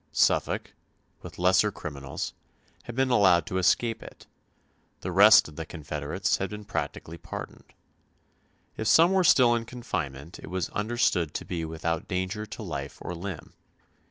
Suffolk, with lesser criminals, had been allowed to escape it; the rest of the confederates had been practically pardoned. If some were still in confinement it was understood to be without danger to life or limb.